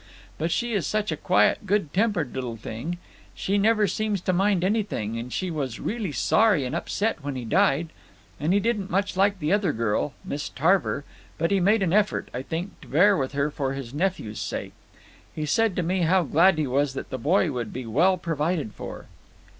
But she is such a quiet, good tempered little thing; she never seems to mind anything, and she was really sorry and upset when he died. And he didn't much like the other girl, Miss Tarver, but he made an effort, I think, to bear with her for his nephew's sake. He said to me how glad he was that the boy would be well provided for."